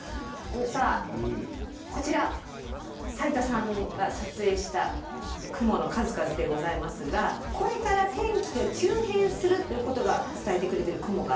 さあこちら斉田さんが撮影した雲の数々でございますがこれから天気が急変するということが伝えてくれてる雲があると。